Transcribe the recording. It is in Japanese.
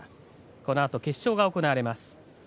このあと決勝が行われます。